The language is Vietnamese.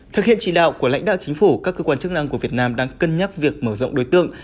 thực hiện chỉ đạo của lãnh đạo chính phủ các cơ quan chức năng của việt nam đang cân nhắc việc mở rộng đối tượng